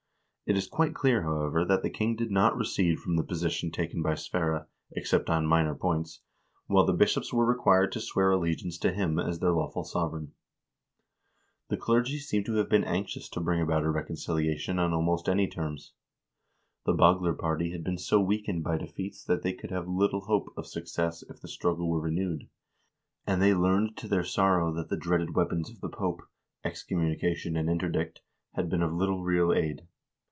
It is quite clear, however, that the king did not recede from the position taken by Sverre, except on minor points, while the bishops were required to swear allegiance to him as their 408 HISTORY OF THE NORWEGIAN PEOPLE lawful sovereign. The clergy seem to have been anxious to bring about a reconciliation on almost any terms. The Bagler party had been so weakened by defeats that they could have little hope of suc cess if the struggle were renewed, and they learned to their sorrow that the dreaded weapons of the Pope — excommunication and interdict — had been of little real aid.